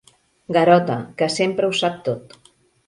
Garota, que sempre ho sap tot.